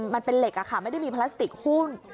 มันเป็นเหล็กค่ะไม่มีพลาสติกคูณยาย